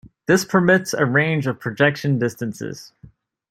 This permits a range of projection distances.